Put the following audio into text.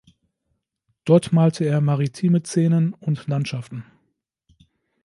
Dort malte er maritime Szenen und Landschaften.